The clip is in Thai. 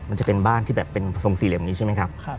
มันจะเป็นบ้านที่แบบเป็นทรงสี่เหลี่ยมนี้ใช่ไหมครับ